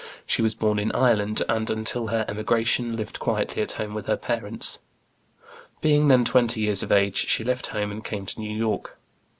She was born in Ireland, and, until her emigration, lived quietly at home with her parents. Being then twenty years of age, she left home and came to New York.